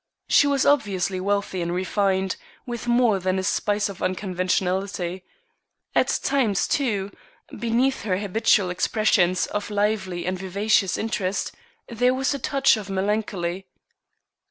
She was obviously wealthy and refined, with more than a spice of unconventionality. At times, too, beneath her habitual expressions of lively and vivacious interest, there was a touch of melancholy.